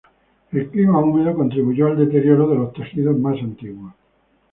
El clima húmedo contribuyó al deterioro de los tejidos más antiguos.